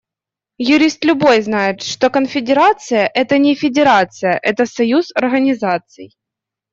Юрист любой знает, что конфедерация – это не федерация, это союз организаций.